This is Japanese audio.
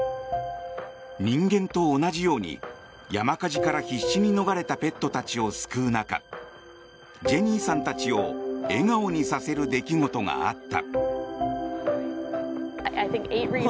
人間と同じように山火事から必死に逃れたペットたちを救う中ジェニーさんたちを笑顔にさせる出来事があった。